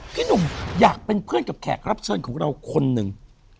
พี่หนุ่มอยากเป็นเพื่อนกับแขกรับเชิญของเราคนหนึ่ง